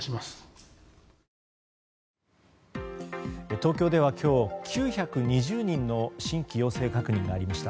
東京では今日９２０人の新規陽性確認がありました。